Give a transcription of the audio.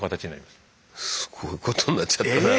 すごいことになっちゃったな。